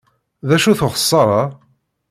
D acu-t uxeṣṣaṛ-a?